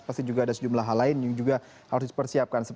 pasti juga ada sejumlah hal lain yang juga harus dipersiapkan